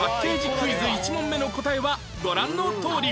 クイズ１問目の答えはご覧のとおり